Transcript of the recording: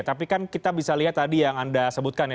tapi kan kita bisa lihat tadi yang anda sebutkan ya